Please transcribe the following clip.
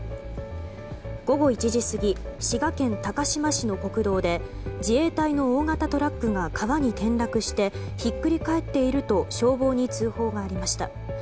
午後１時過ぎ滋賀県高島市の国道で自衛隊の大型トラックが川に転落してひっくり返っていると消防に通報がありました。